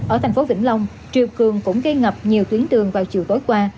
ở thành phố vĩnh long triều cường cũng gây ngập nhiều tuyến đường vào chiều tối qua